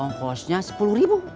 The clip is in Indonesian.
ongkosnya sepuluh ribu